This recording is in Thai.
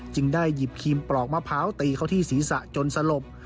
ได้หยิบครีมปลอกมะพร้าวตีเขาที่ศีรษะจนสลบ